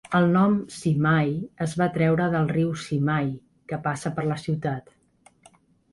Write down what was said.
El nom Cimahi es va treure del riu Cimahi que passa per la ciutat.